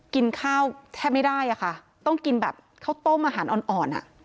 กินข้าวแทบไม่ได้อะค่ะต้องกินแบบข้าวต้มอาหารอ่อนอ่ะ